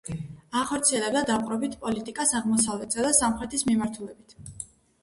ახორციელებდა დაპყრობით პოლიტიკას აღმოსავლეთისა და სამხრეთის მიმართულებით.